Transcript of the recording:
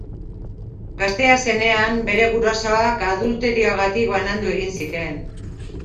Gaztea zenean, bere gurasoak adulterioagatik banandu egin ziren.